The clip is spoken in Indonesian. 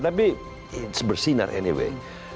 tapi sebersinar anyway